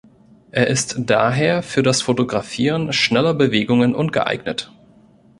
Er ist daher für das Fotografieren schneller Bewegungen ungeeignet.